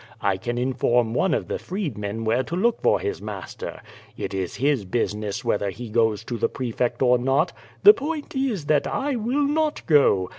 J can inform one of the freedmen where to look for his master. It is his business Avhether he goes to the prefect or not^ — the point is that I will not go.